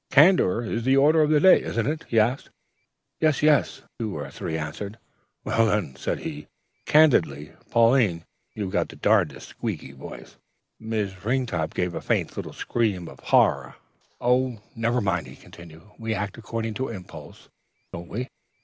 "'Candor's the order of the day, isn't it?' he asked. "'Yes!' 'Yes!' two or three answered. "'Well, then,' said he, 'candidly, Pauline, you've got the darn'dest squeaky voice' "Miss Ringtop gave a faint little scream of horror. "'Oh, never mind!' he continued. 'We act according to impulse, don't we?